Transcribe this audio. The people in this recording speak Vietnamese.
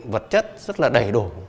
vật chất rất là đầy đủ